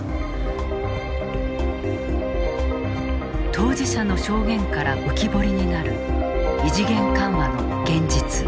当事者の証言から浮き彫りになる異次元緩和の現実。